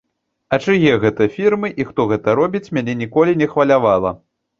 А чые гэта фірмы і хто гэта робіць, мяне ніколі не хвалявала.